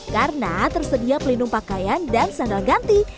karena tersedia pelindung pakaian dan sandal ganti